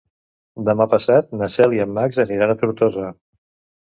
Demà passat na Cel i en Max aniran a Tortosa.